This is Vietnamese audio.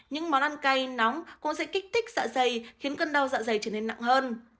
những món ăn cay nóng cũng dễ kích thích dạ dày khiến cơn đau dạ dày trở nên nặng hơn